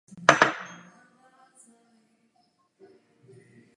Vítáme tuto ratifikaci v rumunském parlamentu.